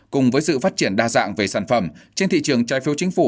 cùng với sự phát triển đa dạng về sản phẩm trên thị trường trái phiếu chính phủ